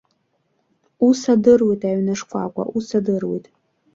Ус адыруеит аҩны шкәакәа, ус адыруеит!